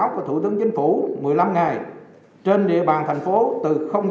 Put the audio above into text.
của thủ tướng chính phủ một mươi năm ngày trên địa bàn thành phố từ giờ ngày chín tháng bảy năm hai nghìn hai mươi một